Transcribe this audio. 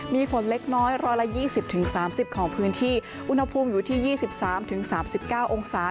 มีฝนเล็กน้อย๑๒๐๓๐ของพื้นที่อุณหภูมิอยู่ที่๒๓๓๙องศา